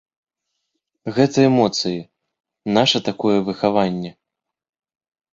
Гэта эмоцыі, наша такое выхаванне.